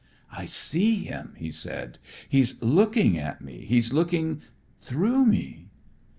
"I see him," he said, "he's lookin' at me, he's lookin' through me."